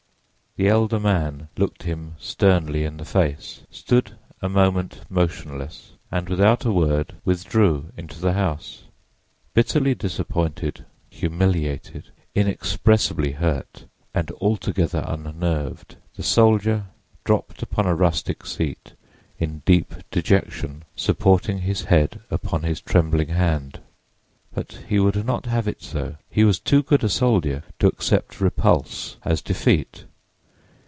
The elder man looked him sternly in the face, stood a moment motionless and without a word withdrew into the house. Bitterly disappointed, humiliated, inexpressibly hurt and altogether unnerved, the soldier dropped upon a rustic seat in deep dejection, supporting his head upon his trembling hand. But he would not have it so: he was too good a soldier to accept repulse as defeat.